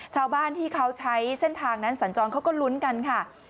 ชาวบ้านที่เขาใช้เส้นทางนั้นสัญจรเขาก็ลุ้นกันค่ะ